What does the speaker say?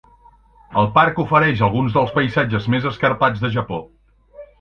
El parc ofereix alguns dels paisatges més escarpats de Japó.